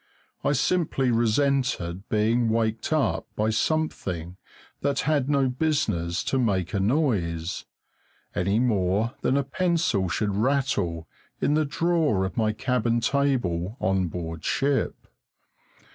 I simply resented being waked up by something that had no business to make a noise, any more than a pencil should rattle in the drawer of my cabin table on board ship.